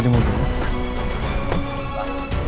mama bener bener gak tenang so